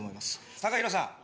ＴＡＫＡＨＩＲＯさん。